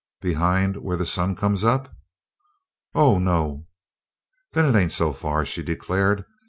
"Behind where the sun comes up?" "Oh, no!" "Then it ain't so far," she declared.